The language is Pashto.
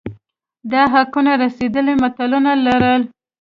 دا حقونه رسېدلي ملتونه لرل